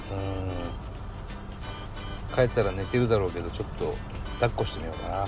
帰ったら寝てるだろうけどちょっとだっこしてみようかな。